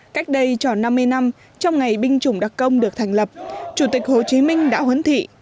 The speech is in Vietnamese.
cách đây tròn năm mươi năm trong ngày binh chủng đặc công được thành lập chủ tịch hồ chí minh đã huấn thị